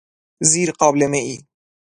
زیر قابلمه ای